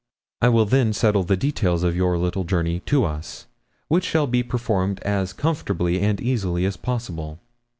I will then settle the details of your little journey to us, which shall be performed as comfortably and easily as possible.